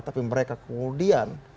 tapi mereka kemudian